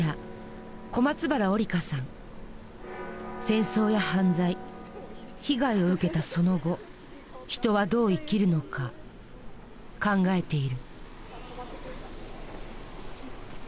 戦争や犯罪被害を受けた「その後」人はどう生きるのか考えている。